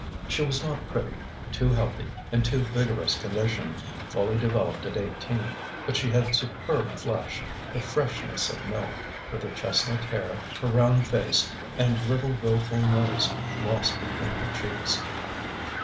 She was not pretty, too healthy, in too vigorous condition, fully developed at eighteen; but she had superb flesh, the freshness of milk, with her chestnut hair, her round face, and little willful nose lost between her cheeks.